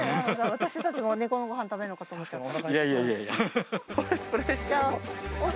私たちも猫のご飯食べるのかと思っちゃった。